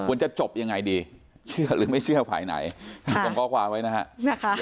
ควรจะจบยังไงดีเชื่อหรือไม่เชื่อฝ่ายไหนค่ะต้องขอความไว้นะฮะนะค่ะ